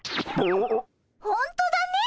ほんとだね。